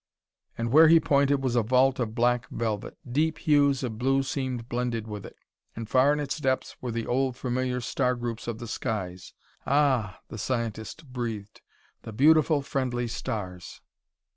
And where he pointed was a vault of black velvet. Deep hues of blue seemed blended with it, and far in its depths were the old familiar star groups of the skies. "Ah!" the scientist breathed, "the beautiful, friendly stars!"